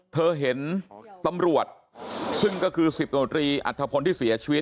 เธอเห็นตำรวจซึ่งก็คือ๑๐โนตรีอัฐพลที่เสียชีวิต